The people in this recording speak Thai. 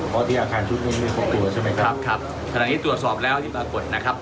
เพราะที่อาคารชุดไม่มีครบจัวใช่ไหมครับครับครับตรวจสอบแล้วที่ปรากฎนะครับ